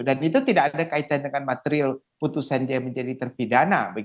dan itu tidak ada kaitan dengan material putusan dia menjadi terpidana